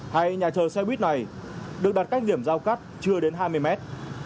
hay nhà chờ xe buýt này được đặt cách điểm giao cắt chưa đến hai mươi mét